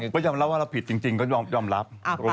ก็ยอมรับว่าเราผิดจริงก็ยอมรับ